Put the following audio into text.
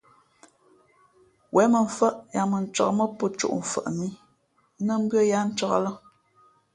Wěn mᾱmfάʼ yāā mᾱ ncāk mά pō cōʼ mfαʼ mǐ nά mbʉ̄ᾱ yáá ncāk lά.